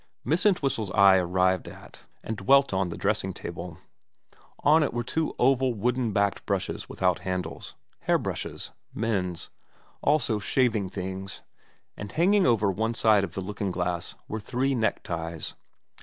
Miss Entwhistle's eye arrived at and dwelt on the VEEA 295 dressing table. On it were two oval wooden backed brushes without handles. Hairbrushes. Men's. Also shaving things. And, hanging over one side of the looking glass, were three neckties.